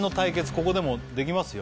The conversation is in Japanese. ここでもできますよ